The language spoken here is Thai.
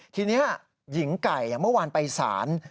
ทีนี้หญิงไก่เมื่อวานไปสาร